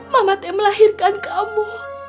mamate melahirkan kamu